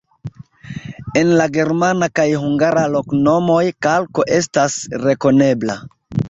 En la germana kaj hungara loknomoj kalko estas rekonebla.